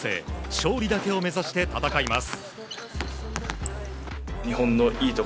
勝利だけを目指して戦います。